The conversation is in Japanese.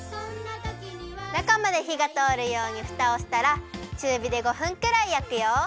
なかまでひがとおるようにフタをしたらちゅうびで５分くらいやくよ。